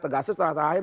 tegasnya setelah terakhir